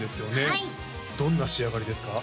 はいどんな仕上がりですか？